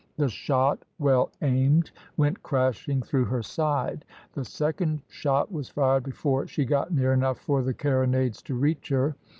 The shot, well aimed, went crashing through her side; the second shot was fired before she got near enough for the carronades to reach her.